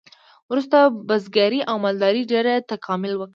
وروسته بزګرۍ او مالدارۍ ډیر تکامل وکړ.